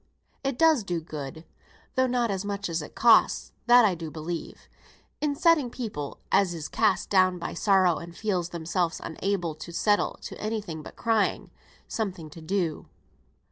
It does do good, though not as much as it costs, that I do believe, in setting people (as is cast down by sorrow and feels themselves unable to settle to any thing but crying) something to do.